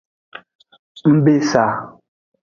Ng be sa.